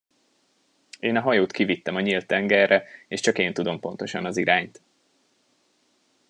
Én a hajót kivittem a nyílt tengerre, és csak én tudom pontosan az irányt.